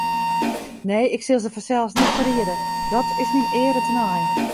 Nee, ik sil se fansels net ferriede, dat is myn eare tenei.